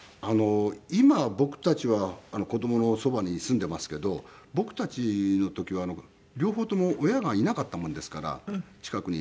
今僕たちは子供のそばに住んでいますけど僕たちの時は両方とも親がいなかったもんですから近くに。